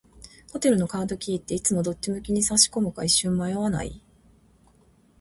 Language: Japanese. ホテルのカードキーって、いつもどっち向きに差し込むか一瞬迷わない？